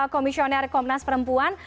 komisioner komnas perempuan